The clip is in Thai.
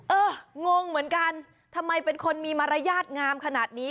งงเหมือนกันทำไมเป็นคนมีมารยาทงามขนาดนี้